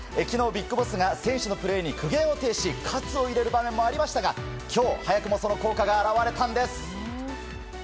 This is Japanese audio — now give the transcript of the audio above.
昨日、ＢＩＧＢＯＳＳが選手のプレーに苦言を呈し活を入れる場面もありましたが今日、早くもその効果が表れたんです。